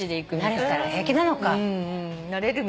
慣れたら平気なのか。